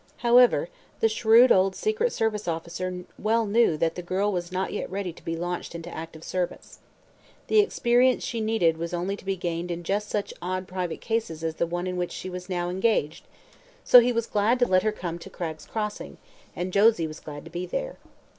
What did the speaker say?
However, the shrewd old secret service officer well knew that the girl was not yet ready to be launched into active service. The experience she needed was only to be gained in just such odd private cases as the one on which she was now engaged, so he was glad to let her come to Cragg's Crossing, and Josie was glad to be there.